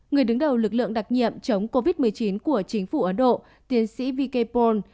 người đứng đầu lực lượng đặc nhiệm chống covid một mươi chín của chính phủ ấn độ tiến sĩ v k poon